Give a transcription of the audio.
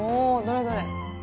どれどれ？